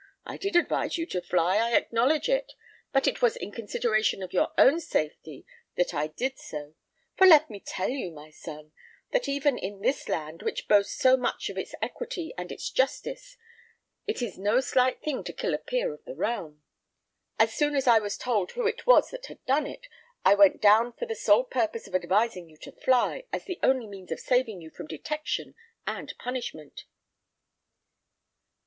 I did advise you to fly; I acknowledge it; but it was in consideration of your own safety that I did so; for let me tell you, my son, that even in this land, which boasts so much of its equity and its justice, it is no slight thing to kill a peer of the realm. As soon as I was told who it was that had done it, I went down for the sole purpose of advising you to fly, as the only means of saving you from detection and punishment."